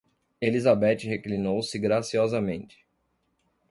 Elizabeth reclinou-se graciosamente.